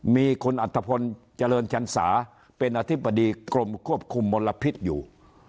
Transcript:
มีคุณอัธพลเจริญชันสาเป็นอธิบดีกรมควบคุมมลพิษอยู่